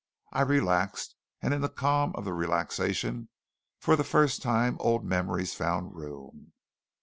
I relaxed; and in the calm of the relaxation for the first time old memories found room.